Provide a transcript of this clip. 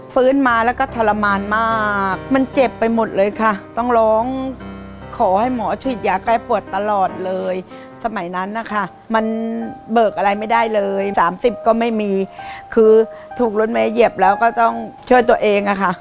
ฟื้นมาแล้วก็ทรมานมากมันเจ็บไปหมดเลยค่ะต้องร้องขอให้หมอฉีดยาแก้ปวดตลอดเลยสมัยนั้นนะคะมันเบิกอะไรไม่ได้เลย๓๐ก็ไม่มีคือถูกรถเมยเหยียบแล้วก็ต้องช่วยตัวเองอะค่ะ